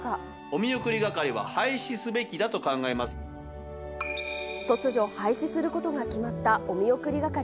お見送り係は廃止すべきだと突如廃止することが決まったお見送り係。